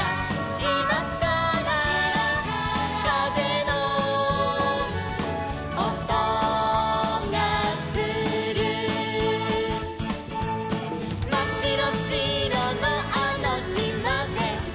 「しまからかぜのおとがする」「まっしろしろのあのしまで」